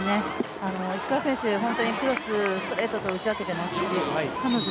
石川選手、本当にクロス、ストレートと打ち分けていますし彼女